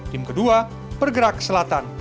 tim kedua bergerak ke selatan